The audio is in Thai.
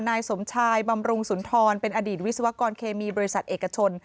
นายสมชายบำรุงสุนทรเป็นอดีตวิศวกรเคมีบริษัทเอกชน